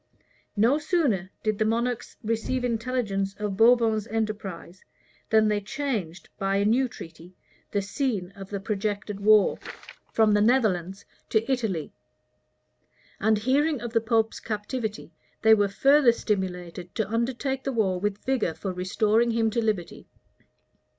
No sooner did the monarchs receive intelligence of Bourbon's enterprise than they changed, by a new treaty, the scene of the projected war from the Netherlands to Italy; and hearing of the pope's captivity, they were further stimulated to undertake the war with vigor for restoring him to liberty.